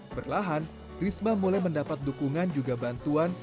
perlahan risma mulai mendapat dukungan juga bantuan